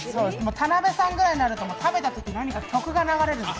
田辺さんくらいになると食べたときに曲が流れるんです。